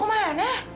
eh mau ke mana